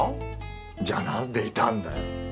じゃあなんでいたんだよ！